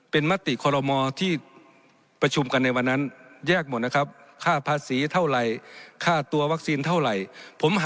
เป็นมัตติคอลโลมอร์ที่ประชุมกันในวันนั้นแยกหมดนะครับ